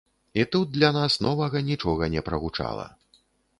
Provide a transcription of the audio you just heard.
І тут для нас новага нічога не прагучала.